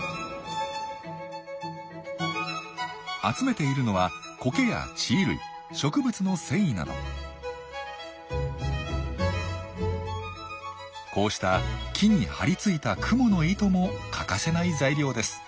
集めているのはこうした木に張り付いたクモの糸も欠かせない材料です。